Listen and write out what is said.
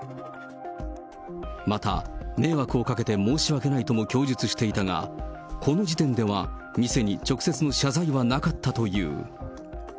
また、迷惑をかけて申し訳ないとも供述していたが、この時点では店に直接の謝罪はなかったという。